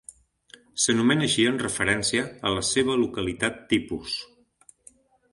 S'anomena així en referència a la seva localitat tipus.